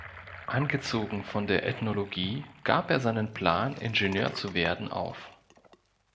Angezogen von der Ethnologie gab er seinen Plan Ingenieur zu werden auf.